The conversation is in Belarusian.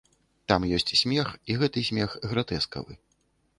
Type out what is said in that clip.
Там ёсць смех, і гэты смех гратэскавы.